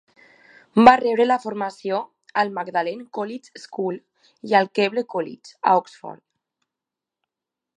Va rebre la formació al Magdalen College School i al Keble College, a Oxford.